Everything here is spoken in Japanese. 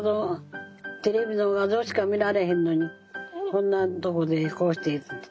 テレビの画像しか見られへんのにこんなとこでこうして。